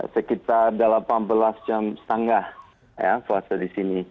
sekitar delapan belas jam tanggal ya puasa di sini